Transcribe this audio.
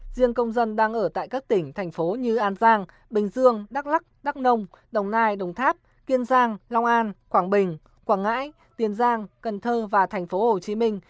riêng công dân đang ở tại các tỉnh thành phố như an giang bình dương đắk lắc đắk nông đồng nai đồng tháp kiên giang long an quảng bình quảng ngãi tiền giang cần thơ và thành phố hồ chí minh